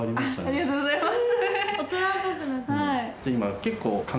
ありがとうございます。